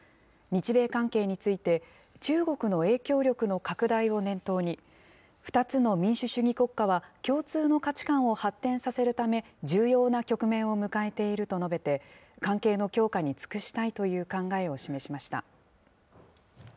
日米関係について、中国の影響力の拡大を念頭に、２つの民主主義国家は共通の価値観を発展させるため、重要な局面を迎えていると述べて、関係の強化に尽くしたいという考えを示しました。